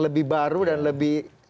lebih baru dan lebih